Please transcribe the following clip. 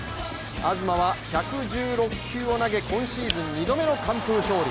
東は１１６球を投げ、今シーズン２度目の完封勝利。